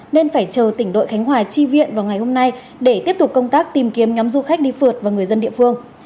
để chờ tỉnh đội khánh hòa chi viện vào ngày hôm nay để tiếp tục công tác tìm kiếm nhóm du khách đi phượt và người dân địa phương